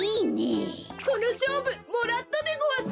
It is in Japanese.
このしょうぶもらったでごわす。